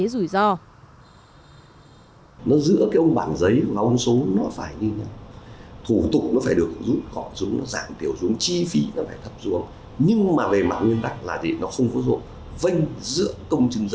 đưa ra các nguyên tắc bảo đảm tính an toàn